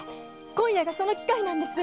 今夜がその機会なのです！